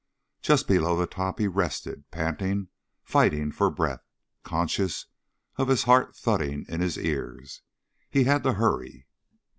Just below the top he rested, panting, fighting for breath, conscious of his heart thudding in his ears. He had to hurry!